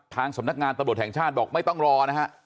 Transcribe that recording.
สำนักงานตำรวจแห่งชาติบอกไม่ต้องรอนะฮะ